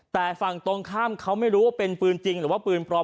แต่ฝั่งตรงข้ามเขาไม่รู้ว่าเป็นปืนจริงหรือว่าปืนปลอม